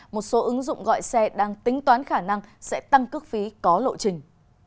một số ứng dụng gọi xe đang tính toán khả năng sẽ tăng cước phí có lộ trình